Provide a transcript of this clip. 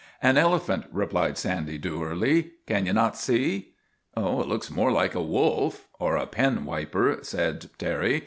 " An elephant," replied Sandy dourly. " Can ye not see ?'; It looks more like a wolf or a penwiper," said Terry.